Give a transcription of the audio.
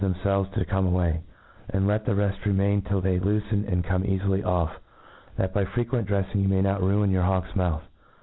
themfdves to come away J and let the reft remain tilL^they' loofen and come ealiiy oflF, that by frequent drcffing you may not ruin yoiar hawk's mouth.